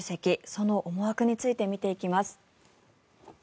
その思惑について見ていきます。